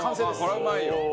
これはうまいよ。